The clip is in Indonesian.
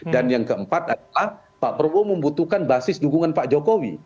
dan yang keempat adalah pak prabowo membutuhkan basis dukungan pak jokowi